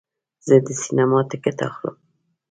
زه د سینما ټکټ اخلم.